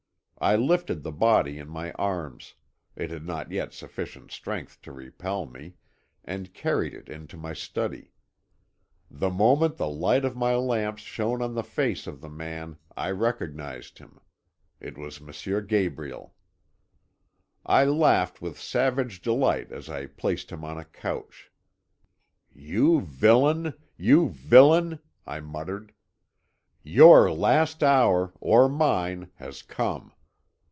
I lifted the body in my arms it had not yet sufficient strength to repel me and carried it into my study. The moment the light of my lamps shone on the face of the man I recognised him. It was M. Gabriel. "I laughed with savage delight as I placed him on a couch. 'You villain you villain!' I muttered. 'Your last hour, or mine, has come.